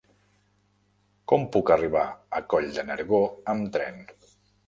Com puc arribar a Coll de Nargó amb tren?